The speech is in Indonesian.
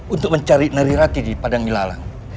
untuk mencari neri rati di padang gilalang